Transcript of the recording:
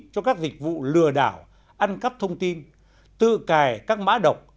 cho các dịch vụ lừa đảo ăn cắp thông tin tự cài các mã độc